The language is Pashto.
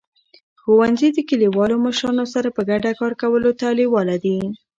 ښوونځي د کلیوالو مشرانو سره په ګډه کار کولو ته لیواله دي.